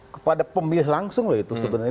kepada pemilih langsung loh itu sebenarnya